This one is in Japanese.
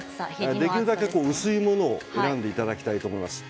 できるだけ薄いものを選んでいただきたいと思います。